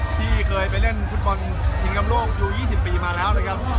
ที่เคยไปเล่นฟุตบอลชิงชำโลกชู๒๐ปีมาแล้วนะครับ